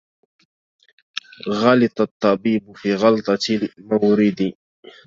غلط الطبيب علي غلطة مورد